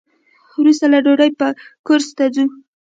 وروسته له ډوډۍ به کورس ته ځو.